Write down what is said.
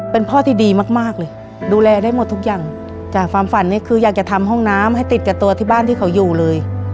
เป็นพ่อที่ดีมากมากเลยดูแลได้หมดทุกอย่างจากความฝันนี่คืออยากจะทำห้องน้ำให้ติดกับตัวที่บ้านที่เขาอยู่เลย